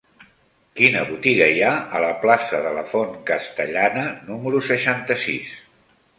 Quina botiga hi ha a la plaça de la Font Castellana número seixanta-sis?